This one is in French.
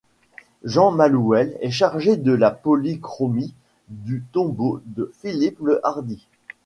Jean Malouel est chargé de la polychromie du tombeau de Philippe le Hardi.